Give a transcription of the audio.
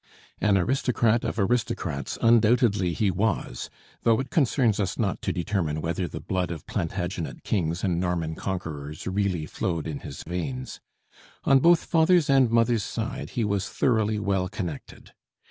An aristocrat of aristocrats undoubtedly he was, though it concerns us not to determine whether the blood of Plantagenet kings and Norman conquerors really flowed in his veins. On both father's and mother's side he was thoroughly well connected.